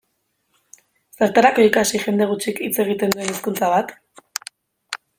Zertarako ikasi jende gutxik hitz egiten duen hizkuntza bat?